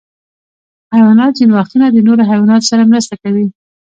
حیوانات ځینې وختونه د نورو حیواناتو سره مرسته کوي.